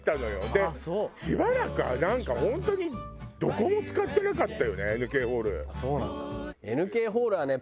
でしばらくはなんか本当にどこも使ってなかったよねＮＫホール。